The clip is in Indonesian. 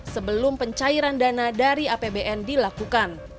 sebelum pencairan dana dari apbn dilakukan